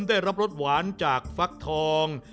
ได้รับรสหวานจากฟักทอง